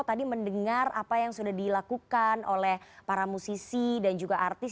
tadi mendengar apa yang sudah dilakukan oleh para musisi dan juga artis